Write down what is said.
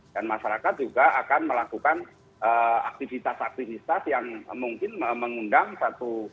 dan masyarakat juga akan melakukan aktivitas aktivitas yang mungkin mengundang satu